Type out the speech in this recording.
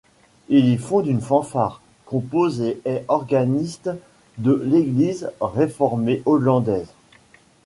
Il y fonde une fanfare, compose et est organiste de l'Église réformée hollandaise.